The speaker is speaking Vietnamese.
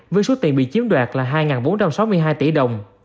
với số tiền bị chiếm đoạt là hai bốn trăm sáu mươi hai tỷ đồng